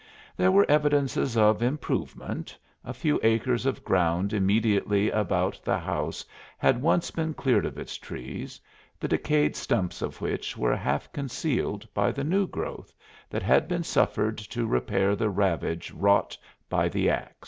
There were evidences of "improvement" a few acres of ground immediately about the house had once been cleared of its trees, the decayed stumps of which were half concealed by the new growth that had been suffered to repair the ravage wrought by the ax.